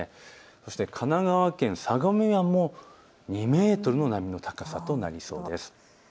そして神奈川県相模湾も２メートルの波の高さとなりそうです。